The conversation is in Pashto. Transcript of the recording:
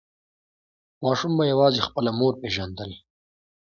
ماشوم به یوازې خپله مور پیژندل.